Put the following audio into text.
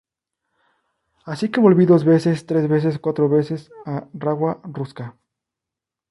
Así que volví dos veces, tres veces, cuatro veces a Rawa-Ruska.